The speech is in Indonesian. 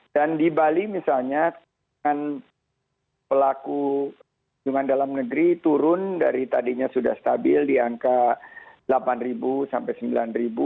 dan di bali misalnya pelaku cuman dalam negeri turun dari tadinya sudah stabil di angka delapan sampai sembilan